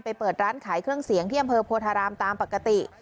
เปิดร้านขายเครื่องเสียงที่อำเภอโพธารามตามปกติ